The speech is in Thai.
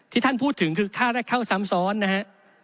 ท่านพูดถึงคือค่าแรกเข้าซ้ำซ้อนนะฮะ